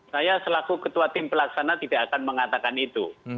saya selaku ketua tim pelaksana tidak akan mengatakan itu